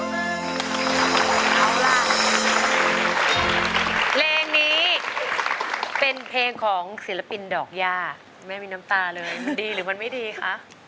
เอาล่ะเพลงนี้เป็นเพลงของศิลปินดอกย่าไม่มีน้ำตาเลยดีหรือมันไม่ดีคะ